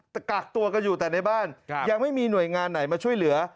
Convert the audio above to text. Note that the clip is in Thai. แต่กักตัวกันอยู่แต่ในบ้านยังไม่มีหน่วยงานไหนมาช่วยเหลือ